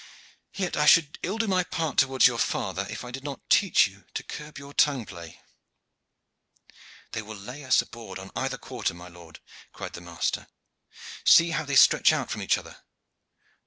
Yet I should ill do my part towards your father if I did not teach you to curb your tongue play." "They will lay us aboard on either quarter, my lord," cried the master. "See how they stretch out from each other!